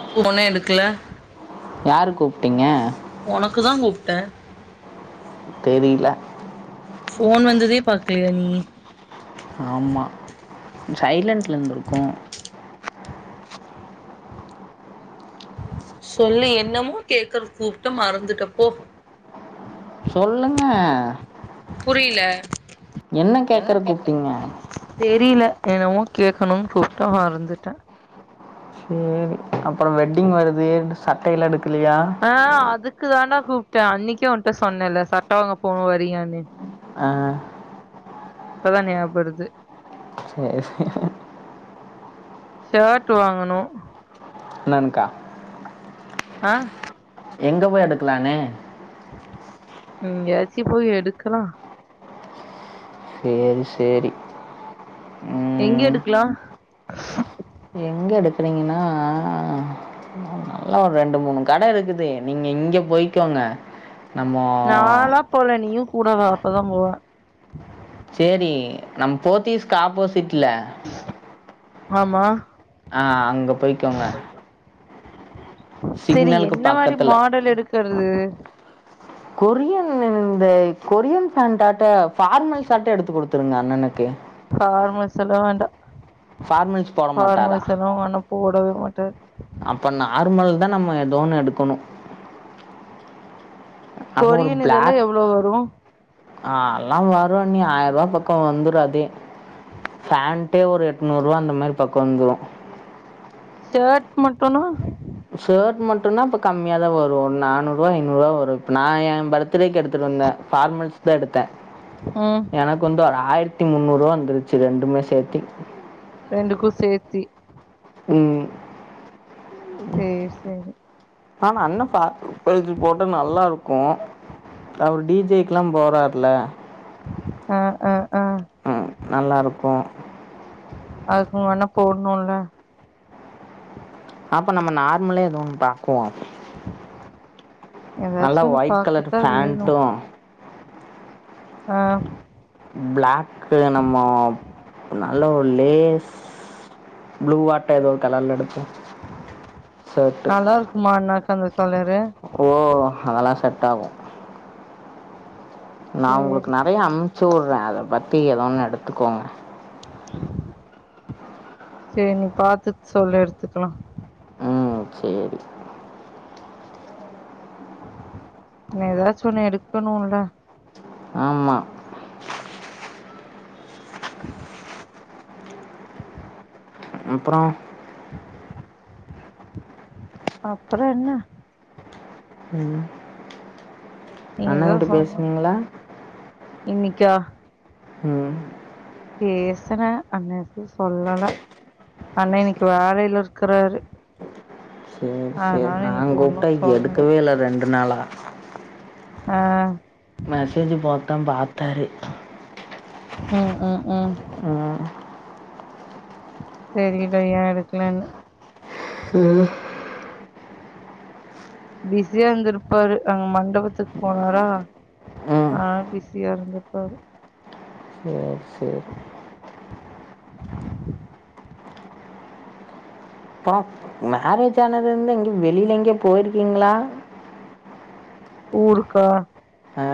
ஃபோனே எடுக்கல யார் கூப்பிட்டீங்க ஒனக்கு தா கூப் ட்ட தெரில போன் வந்ததே பாக்கலையா நீ ஆமா சைலன்ட்ல இருந்து இருக்கு சொல்லு என்னமோ கேக்குற கூப்ட மறந்துட்டப்போ சொல்லுங்க புரில என்ன கேட்குற கேக்கறக்கு கூப்பிட்டீங்க கூப்ட்டீங் தெரில என்னமோ கேக்கணும்னு கூப்ட்ட மறந்துட்ட சேரி அப்புற வெட்டிங் வருது ரெண்டு சட்டையில எடுக் ஆ அதுக்கு தான கூப்ட்டே அன்னைக்கே உன்ட்ட சொன்னேன்ல சட்டவாங்க போனு வறியானு ஆ இப்பதா நியாபருது செரி செரி ஷர்ட் வாங்கனு என்னன்கா ஆ எங்கே போய் எடுக்லானு ம் எங்கயாச்சி போய் எடுக்கலா செரி செரி எங்க எடுக்லா எங்க எடுக்றீங்கன்னா நல்ல ஒரு ரெண்டு மூணு கடை இருக்குது நீங்க இங்க போய்க்கோங்க நம்ம நாளா போல நீயு கூட வா அப்பதா போவ செரி நம் போத்திஸ்கு ஆப்போசிட்ல ஆமா ஆ அங்க போய்க்கோங்க செரி சிக்னலுக்கு என்ன மாரி பக்கத்துல மாடல் எடுக்கறது கொரியன் இந்த கொரியன் ஃபேண்டாட்ட ஃபார்மல்சாட்ட எடுத்து கொடுத்துருங்க அண்ணனுக்கு செலவு வேண்டா ஃபார்மல்ஸ் போட மாட்டாரா ஃபார்மல்செல்லா உங்க அண்ண போடவே மாட்டாரு அப்ப நார்மல் தா நம்ம ஏதோ ஒன்னு எடுக்கணு கொரியன் இதெல்லா எவ்ளோ வரு ஆல்லா வருண்ணி ஆயிரூபா பக்க வந்துரு அதே ஃபேண்டே ஒரு எட்நூறுவா அந்த மாரி பக்க வந்துரு ஷர்ட் மட்டுனா ஷர்ட் மட்டுனா இப்ப கம்மியாதா வருஒரு நானூறுவா ஐநூறுவா வரு இப்ப நா எ பர்த்டேக்கு எடுத்துரு ஒன்னு ஃபார்மல்ஸ் தா எடுத்த ம் எனக்கு வந்து ஒரு ஆயிரத்தி முன்னூறுவா வந்துருச்சு ரெண்டுமே சேத்தி ரெண்டுக்கு சேத்தி ம் சேரி சேரி ஆனா அண்ண ஃபார்மல்ஸ் போட்டு நல்லா இருக்கு அவர் டிஜே க்லா போறார்ல ஆ ஆ ஆ ம். நல்லாருக்கும். அதுக்கு உங்க அண்ண போடணுல்ல அப்ப நம்ம நார்மலே எதோ ஒண்ணு பாக்குவோ எதாச்சு ஒன்னு ஒயிட் கலர் பாக்கத்தா வேணு ஃபேண்ட்டும், ஆ பிளாக்கு நம்ம நல்ல ஒரு லேஸ் ப்ளூ வாட்ட எதோ கலர்ல எடுப்போ நல்லார்க்குமா அந்தா கலர் ஓ அதெல்லா செட் ஆகு நா உங்ளுக்கு சேரி நறைய அனுப்ச்சி உடறே அத பத்தி எதோ ஒண்ணு எடுத்துக்கோங்க செரி நீ பாத்துட் சொல்லு எடுத்துக்லா ம் சேரி என்ன எதாச்சி ஒன்னு எடுக்கணுல ஆமா அப்றோ [unintelligible] அப்ற என்ன ம் அண்ண நீங்கதா கிட்ட சொல்லணு பேசுனிங்ளா இன்னிக்கா ம் பேசற அந்த சொல்லல அண்ண இன்னைக்கு வேலையில இருக்றாரு சேர் சேர் நா கூப்ட்டா சொல்லல எடுக்கவே இல்ல ரெண்டு நாளா ஆ மெசேஜ் போட்ட பாத்தாரு ம் ம் ம் தெரில ஏ எடுக்லனு ம் பிஸியா இருந்ருப்பாரு ஆமாங் மண்டபத்துக்கு போனாரா ம் அதனால பிஸியா இருந்ருப்பாரு சேர் சேரி ப்பா மேரேஜ் ஆனதுல இருந்து எங்க வெளில எங்யா போயிருக்கிங்ளா [unintelligible] ஊருக்கா ஆ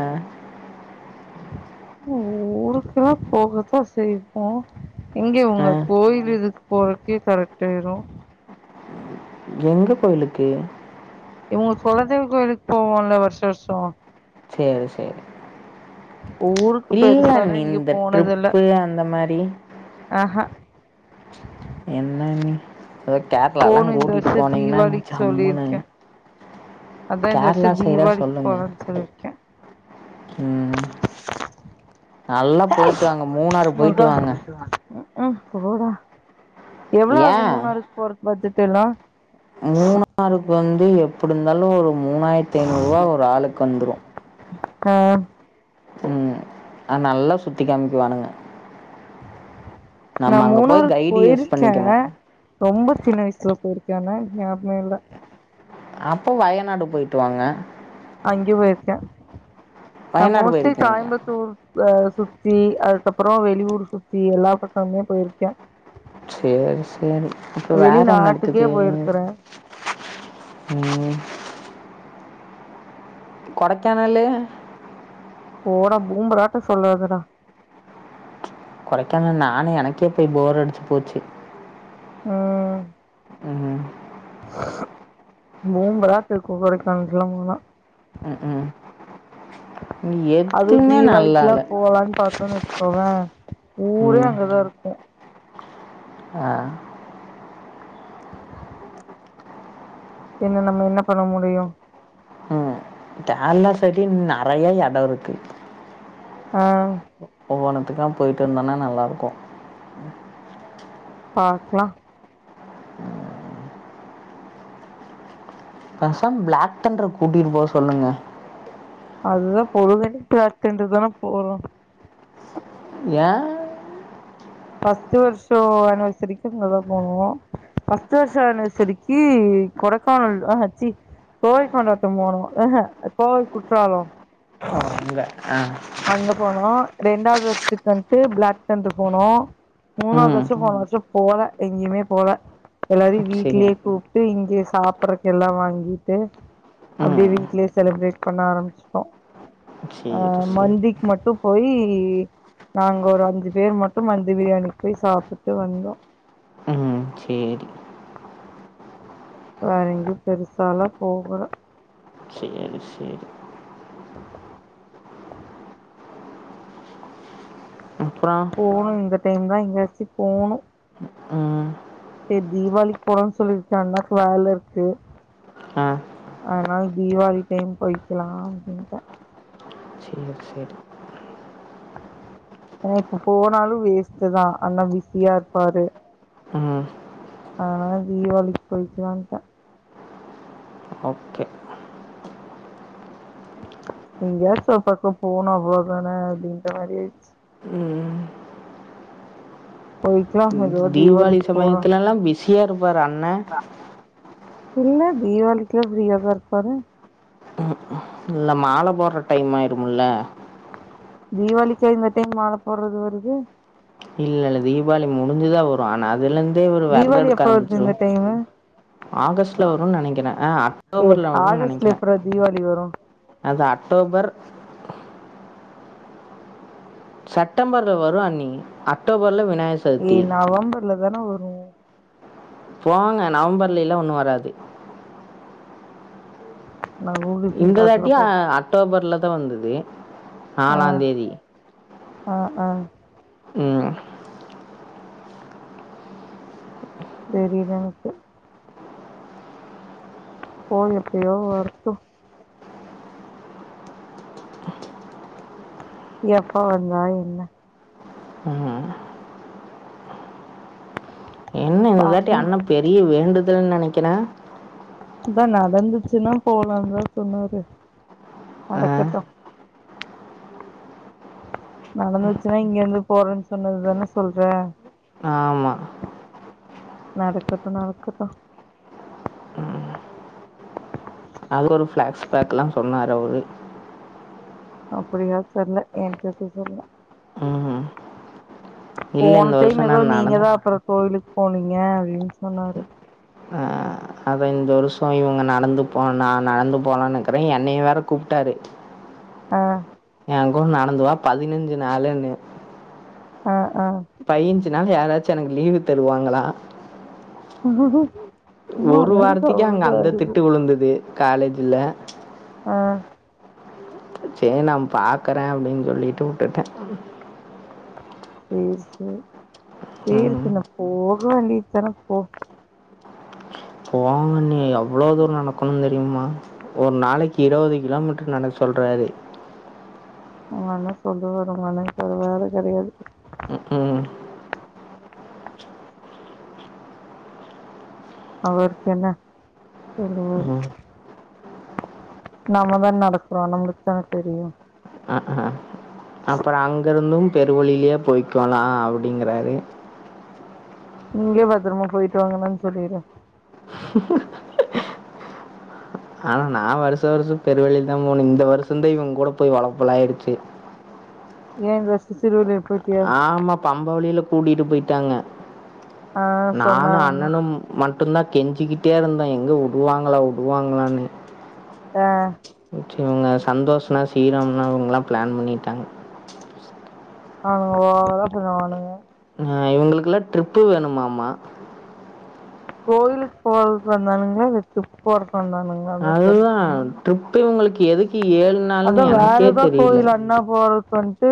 ஊருக்லா போகத்தா செய்வோ எங்க ஆ இவுங்க கோயில் இதுக்கு போறக்கே கரெக்ட் ஆயிரு எங்க கோயிலுக்கு இவுங்க குலதெய்வ கோயிலுக்கு போவோல வருஷ வருஷ சேரி சேரி ஊருக்கு இல்ல பெருசாலா நீ எங்கயு இந்த போனதில்ல ட்ரிப்பு அந்த மாரி ஆஹா என்னன்னி எதோ கேரளாலா போணு இந்த கூட்டிட்டு வருஷ போனிங்னா தீபாவளிக்கு ஜம்முனு சொல்லியிருக்கே அதா இந்த வருஷ கேரளா சைடா தீபாவளிக்கு சொல்லுங்க போலான்னு சொல்லியிருக்கே ம் நல்லா போயிட்டு வாங்க மூணாறு போயிட்டு வாங்க ம் போடா எவ்ள ஆகு மூணாறுக் போறக் பட்ஜெட் எல்லா மூணாறுக் வந்து எப்டிருந்தாலு ஒரு மூணாயிரத்தி ஐநூறுவா ஒரு ஆளுக்கு வந்துரு ஓ ம் ஆனா நல்லா சுத்தி காமிக்குவானுக நா மூணாறுக் கைடு யூஸ் போயிருக்கே பண்ணிக்கணும் ரொம்ப சின்ன வயசுல போயிருக்கே ஆனா எனக்கு ஞாபமே இல்ல அப்போ வயநாடு போயிட்டு வாங்க அங்கி போயிருக்கே நா வயநாடு மோஸ்ட்லி போயிருக்கீங்களா கோயம்புத்தூர் சுத்தி அதுக்கப்புற வெளியூர் சுத்தி எல்லா பக்கமே போயிருக்கே சேரி சேரி இப்ப வேல வெளிநாட்டுக்கே நடக்குது போயிருக்கறே ம் கொடைக்கானல்லு போடா பூம்பராட்ட சொல்லாதடா கொடைக்கானல் நானே எனக்கே போய் போர் அடிச்சு போச்சு ம் ம்ஹீம் பூம்பராத்து இருக்கு கொடைக்கானலுக்குலா போனா உம் உம் அதுவு தீவாளிக்கிலா போலான் பாத்தோனு வச்சுக்கோவே ஊரே ம் அங்கதா இருக்கு ஆ என்ன நம்ம என்ன பண்ண முடியு ம் கேர்ளா சைடுலயு நெறைய எடொ இருக்கு ஆ ஒவ்வொனுத்துக்கா போய்ட்டு இருந்தோனா நல்லா இருக்கு பாக்கலா பேசாம ப்ளாக் தண்டர் கூட்டிட்டு போ சொல்லுங்க அதுதா பொழுதன்னைக்கு பிளாக் தண்டர் தானே போறோ ஏ ஃபஸ்ட்டு வருஷோ ஆன்வசெரிக்கு அங்கதா போனோ ஃபஸ்ட்டு வருஷோ ஆன்வசெரிக்கு கொடைக்கானல் ஆஹ ச்சி கோவைக் கொண்டாட்டம் போனோ ஆஹ கோவை குற்றாலோ ஓ அங்க ஆ அங்க போனோ ரெண்டாவது வருஷத்துக்கு வந்ட்டு பிளாக் தண்டர் போனோ மூணாவது ம். வருஷோ போன வருஷோ போல எங்கயுமே போல எல்லாரையு சரி. வீட்லயே கூப்டு இங்கே சாப்பிடற எல்லா வாங்கிட்டு அப்டியே ம். வீட்லயே செலிப்ரேட் பண்ண ஆரம்பிச்சுட்டோ அ சேரி சே மந்திக்கு மட்டு போய் நாங்க ஒரு அஞ்சு பேர் மட்டு மந்தி பிரியாணிக் போய் சாப்பிட்டு வந்தோ ம் சேரி வேற எங்கேயு பெருசாலா போகல சரி, சரி. அப்புறம்? போணு இந்த டைம் தா எங்காச்சி போணு ம். செரி தீவாளிக் போலானு சொல்லிருச்சு அண்ணாக்கு வேல இருக்கு ஆ. அதனால தீவாளி டைம் போய்க்கலா அப்டின்ட்டே சரி, சரி. ஏனா இப்ப போனாலு வேஸ்ட் தா அண்ணா பிஸியா இருப்பாரு ம். அதனால தீவாளிக்கு போயிக்கலான்ட்டே ஓகே. எங்கயாச்சு ஒரு பக்கோ போணு அவ்ளோ தானே அப்டின்ற மாரி ஆயிச்சு ம். பொய் தீவாளி சமயத்துலல்லா பிஸியா இருப்பாரு அண்ணே இல்ல தீவாளிக்குலா ஃப்ரியா தா இருப்பாரு இல்ல மால போட்ற டைம் ஆயிரும்ல தீவாளிக்கா இந்த டைம் மால போர்றது வருது இல்ல இல்ல தீவாளி முடிஞ்சுதா வரு ஆனா அதுல இருந்தே இவரு வெரத தீவாளி எடுக்க எப்ப வருது ஆரம்பிச்சிருவா இந்த டைமு ஆகஸ்ட்ல வருனு நெனக்கிறே ஆ ஏ அக்டோபர்ல வருனு ஆகஸ்ட்ல நெனக்கிறே எப்புட்றா தீவாளி வரு அதா அக்டோபர் செட்டம்பர்ல வரு அண்ணி அக்டோபர்ல வின் ஏ நவம்பர்ல தான வரு போங்க நவம்பர்லேலா ஒன்னு வராது நா கூகுள் பண்ணி இந்த தாட்டியு பாக்குறப்போ அக்டோபர்லதா வந்தது ஆ நாலாந் தேதி ஆ ஆ ம் தெரில எனக்கு போ எப்பயோ வரட்டு எப்ப வந்தா என்ன ம். என்ன இந்த தாட்டி பாக்கலா அண்ணே பெரிய வேண்டுதல்ன்னு நெனைக்கிறே அதா நடந்துச்சின்னா போலான்தா சொன்னாரு ஆ. நடக்கட்டு நடந்துச்சின்னா இங்க இருந்து போறேன்னு சொன்னதுதான சொல்ற ஆமா. நடக்கட்டு நடக்கட்டு அது ஒரு பிளாஸ் பேக்ல்லா சொன்னாரு அவரு அப்டியா தெர்ல எனக்கு எது தெர்ல ம். இல்ல போன இந்த டைம் வருஷம் ஏதோ நான் நடந் நீங்கதா அப்பறோ கோயிலுக்கு போனீங்க அப்டின் சொன்னாரு அதா இந்த வருஷோ இவங்க நடந்து போனு நா நடந்து போலான்னு இருக்குறே என்னையு வேற கூப்ட்டாரு ஆ ஏங் கூட நடந்துவா பதினஞ்சி நாளுன்னு ஆ ஆ பையஞ்சி நாள் யாராச்சு எனக்கு லீவு தருவாங்களா ஒரு வாரத்துக்கே அங்க அவ்வளோ அந்த அறிவு. திட்டு விழுந்தது காலேஜ்ல ஆ சேரி நா பாக்குறே அப்டின் சொல்லிட்டு வுட்டுட்டே சேரி சேரி சேரி ம். சின்னம் போக வேண்டித்தான இப்போ போங்க அண்ணி எவ்ளோ தூரோ நடக்கணுன்னு தெரியுமா ஒரு நாளைக்கி இருவது கிலோமீட்டர் நடக்க சொல்றாரு ஒங்க அண்ணே சொல்லுவாரு ஒங்க அண்ணனுக்கு வேற வேலை கெடையாது அவருக்கு என்ன சொல்லுவாரு நாமதான நடக்குறோ நம்மளுக்குத்தான தெரியு அப்பறோ அங்க இருந்து பெருவழிலயே போய்க்கோலா அப்படிங்கறாரு நீங்களே பத்தரமா போயிட்டு வாங்கண்ணான்னு சொல்லிரு ஆனா நா வருஷா வருஷம் பெருவழிலதா போனே இந்த வருஷம்தா இவங்க கூட போய் ஒலப்பல்லாயிடுச்சு ஏன் இந்த வருஷோ சிறு வழில ஆமா பம்ப வழியில கூட்டிட்டு போயிட்டாங்க ஆ நானு சொன்னார் அண்ணா அண்ணனு மட் டுந்தா கெஞ்சிக்கிட்டே இருந்தோ எங்க வுடுவாங்களா வுடுவாங்களான்னு ஆ இவங்க சந்தோஷ் ண்ணா சீனு அண்ணா அவங்கல்லா பிளான் பண்ணிட்டாங்க அவனுங்க ஓவரா பண்ணுவானுங்க அ இவங்களுக்கெல்லா ட்ரிப்பு வேணுமாமா கோயிலுக்கு போறதுக்கு வந்தானுங்களா இல்ல டிரிப் போறதுக் வந்தானுங்கலானுதா அதுதான் தெரியல ட்ரிப்பு இவங்களுக்கு எதுக்கு ஏழு நாள்னு அதா வேற எனக்கே ஏதா தெரியல கோயில் எங் னா போறதுக்கு வன்ட்டு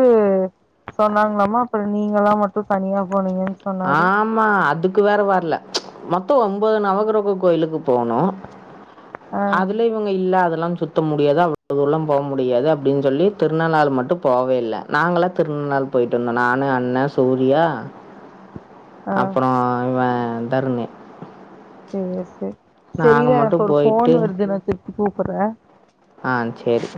சொன்னாங்களாமா அப்பற நீங்க எல்லா மட்டு தனியா போனீங்க ஆமா அதுக்கு வேற வரல, மொத்த ஒம்போது நவக்கிரக கோயிலுக்கு போனோ ஆ அதுல இவங்க இல்ல அதெல்லா சுத்த முடியாது அந் த ஊர்லா போமுடியாது அப்படின்னு சொல்லி திருநாள்ளாறு மட்டு போவே இல்ல நாங்க எல்லா திருநெள்ளாறு போயிட்டு வந்தோ நானு, அண்ண, சூர்யா ஆ அப்புற இவ தர்ணி சேரி சேரி சரியா ஒரு போன் போயிட்டு வருது எனக்கு திருப்பி கூப்றே ஆ சேரி